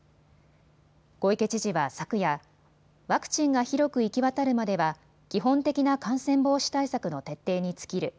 小池知事は昨夜、ワクチンが広く行き渡るまでは基本的な感染防止対策の徹底に尽きる。